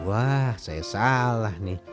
wah saya salah nih